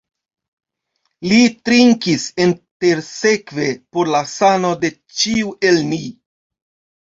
Li trinkis intersekve por la sano de ĉiu el ni.